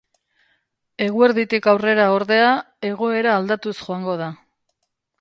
Eguerditik aurrera, ordea, egoera aldatuz joango da.